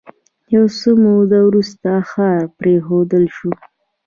یو څه موده وروسته ښار پرېښودل شو.